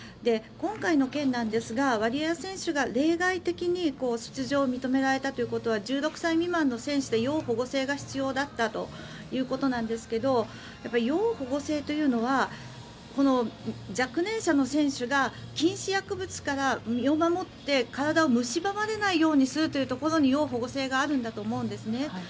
今回の件なんですがワリエワ選手が例外的に出場を認められたということは１６歳未満の選手で要保護性が必要だったということなんですけど要保護性というのは若年者の選手が禁止薬物から身を守って体を蝕まれないようにすることに要保護性があるんだと思うんですね。